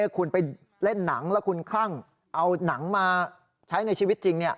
คุณไปเล่นหนังแล้วคุณคลั่งเอาหนังมาใช้ในชีวิตจริง